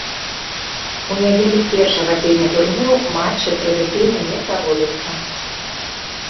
У нядзелю першага тыдня турніру матчы традыцыйна не праводзяцца.